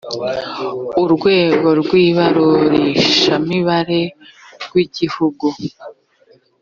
urwego rw ibarurishamibare rw igihugu